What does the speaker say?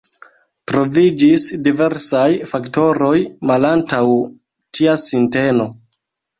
Troviĝis diversaj faktoroj malantaŭ tia sinteno.